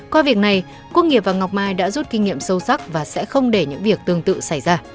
qua việc này quốc nghiệp và ngọc mai đã rút kinh nghiệm sâu sắc và sẽ không để những việc tương tự xảy ra